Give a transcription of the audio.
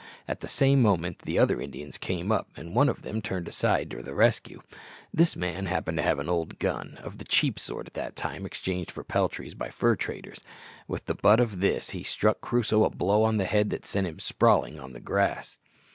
At the same moment the other Indians came up, and one of them turned aside to the rescue. This man happened to have an old gun, of the cheap sort at that time exchanged for peltries by the fur traders. With the butt of this he struck Crusoe a blow on the head that sent him sprawling on the grass.